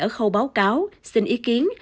ở khâu báo cáo xin ý kiến